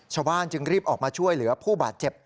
ชาวบ้านจึงรีบออกมาช่วยเหลือผู้บาดเจ็บ